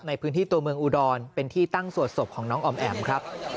ในพื้นที่ตัวเมืองอุดรเป็นที่ตั้งสวดศพของน้องออมแอ๋มครับ